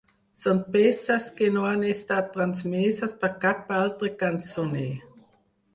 Són peces que no han estat transmeses per cap altre cançoner.